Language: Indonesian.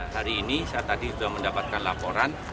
hari ini saya tadi sudah mendapatkan laporan